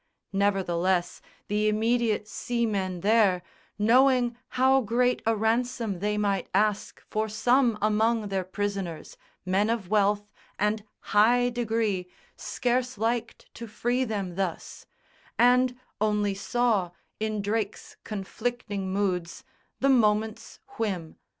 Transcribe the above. Nevertheless, the immediate seamen there Knowing how great a ransom they might ask For some among their prisoners, men of wealth And high degree, scarce liked to free them thus; And only saw in Drake's conflicting moods The moment's whim.